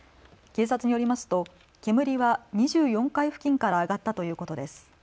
警察によりますと煙は２４階付近から上がったということです。